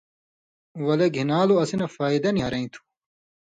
ولے گھِنان٘لو اسی نہ فَیدہ نی ہرَیں تھُو۔